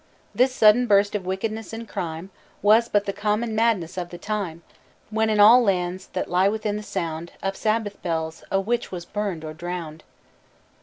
"This sudden burst of wickedness and crime Was but the common madness of the time, When in all lands, that lie within the sound Of Sabbath bells, a witch was burned or drowned."